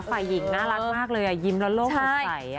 ฝ่ายหญิงน่ารักมากเลยอ่ะยิ้มแล้วโลกหัวใสอ่ะ